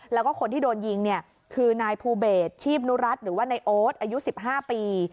แล้วก็คนที่โดนยิงเนี่ยคือนายภูเบสชีพนุรัติหรือว่านายโอ๊ตอายุ๑๕ปี